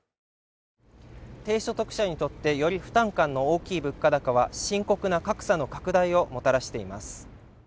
低所得者にとってより負担感の大きい物価高は深刻な格差の拡大をもたらしています。